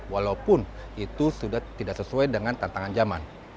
walaupun itu sudah tidak sesuai dengan tantangan zaman